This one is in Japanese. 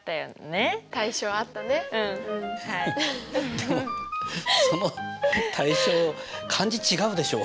でもその大正漢字違うでしょ。